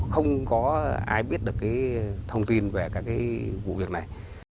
không có ai biết được thông tin về các vụ việc này